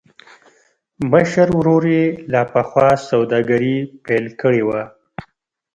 مشر ورور يې لا پخوا سوداګري پيل کړې وه.